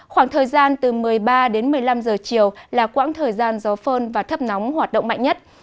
khoảng thời gian từ một mươi ba đến một mươi năm giờ chiều là quãng thời gian gió phơn và thấp nóng hoạt động mạnh nhất